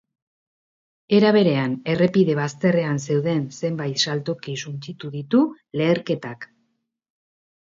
Era berean, errepide bazterrean zeuden zenbait saltoki suntsitu ditu leherketak.